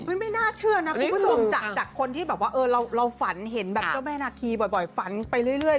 ไม่น่าเชื่อนะคุณผู้ชมจากคนที่แบบว่าเราฝันเห็นแบบเจ้าแม่นาคีบ่อยฝันไปเรื่อย